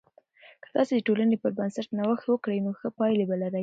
که تاسې د ټولنې پر بنسټ نوښت وکړئ، نو ښه پایلې به لرئ.